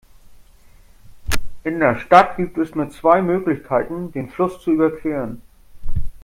In der Stadt gibt es nur zwei Möglichkeiten, den Fluss zu überqueren.